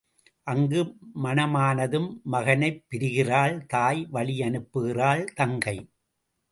அங்கு மணமானதும் மகனைப் பிரிகிறாள் தாய் வழி அனுப்புகிறாள் தங்கை.